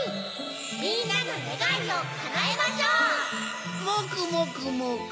みんなのねがいをかなえましょう！